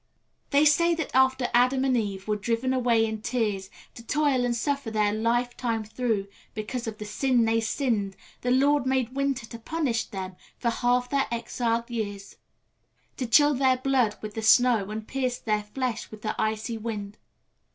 They say that after Adam and Eve were driven away in tears To toil and suffer their life time through, because of the sin they sinned, The Lord made Winter to punish them for half their exiled years, To chill their blood with the snow, and pierce their flesh with the icy wind.